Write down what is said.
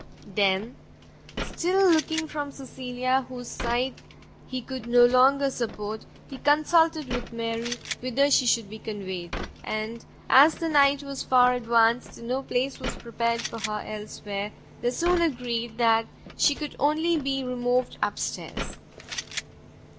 Then, still looking from Cecilia, whose sight he could no longer support, he consulted with Mary whither she should be conveyed: and, as the night was far advanced, and no place was prepared for her elsewhere, they soon agreed that she could only be removed up stairs.